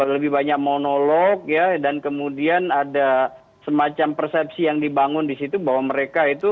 lebih banyak monolog ya dan kemudian ada semacam persepsi yang dibangun disitu bahwa mereka itu